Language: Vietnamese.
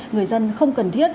người dân không cần thiết